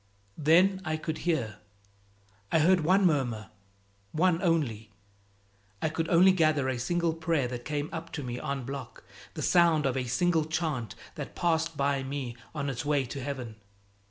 Then I could hear. I heard one murmur, one only. I could only gather a single prayer that came up to me en bloc, the sound of a single chant that passed by me on its way to heaven.